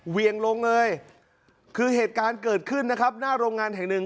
เวียงลงเลยคือเหตุการณ์เกิดขึ้นนะครับหน้าโรงงานแห่งหนึ่ง